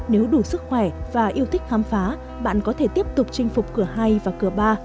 nếu đủ sức khỏe và yêu thích khám phá bạn có thể tiếp tục chinh phục cửa hai và cửa ba